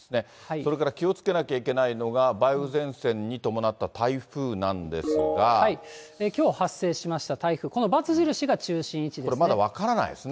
それから気をつけなきゃいけないのが、きょう発生しました台風、これまだ分からないですね。